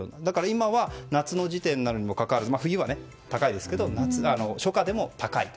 今は夏の時点にもかかわらず冬は高いですけど初夏でも高いと。